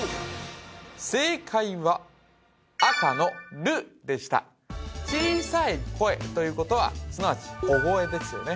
正解は赤の「る」でした小さい声ということはすなわち小声ですよね